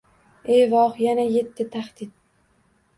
Evoh, yana yetdi tahdid